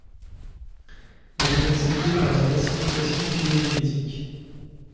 Elle est acceptée par la classification phylogénétique.